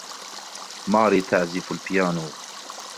ماري تعزف البيانو.